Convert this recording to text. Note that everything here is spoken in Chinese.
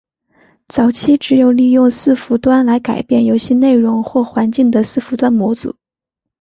早期只有利用伺服端来改变游戏内容或环境的伺服端模组。